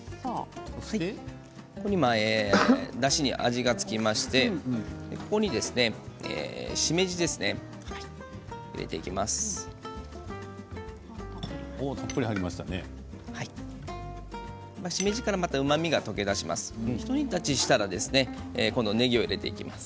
だしに味が付きましてここにしめじですね入れていきます。